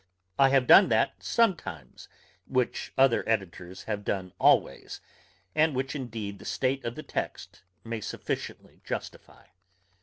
I have done that sometimes, which the other editors have done always, and which indeed the state of the text may sufficiently justify.